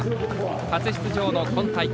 初出場の今大会